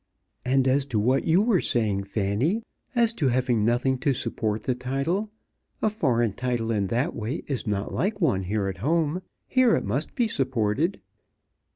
"And as to what you were saying, Fanny, as to having nothing to support the title, a foreign title in that way is not like one here at home. Here it must be supported."